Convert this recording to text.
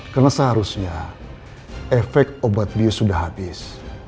karena seharusnya efek obat bio sudah habis